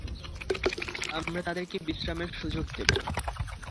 আমরা তাদেরকে বিশ্রামের সুযোগ দিব না।